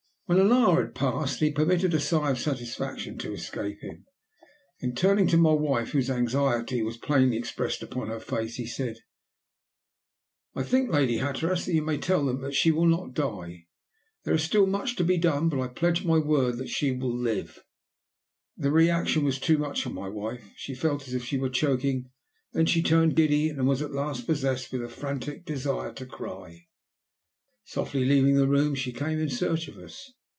When an hour had passed he permitted a sigh of satisfaction to escape him, then, turning to my wife, whose anxiety was plainly expressed upon her face, he said "I think, Lady Hatteras, that you may tell them that she will not die. There is still much to be done, but I pledge my word that she will live." The reaction was too much for my wife; she felt as if she were choking, then she turned giddy, and at last was possessed with a frantic desire to cry. Softly leaving the room, she came in search of us.